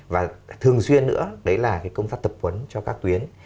và thường xuyên nữa đấy là cái công tác tập quấn cho các tuyến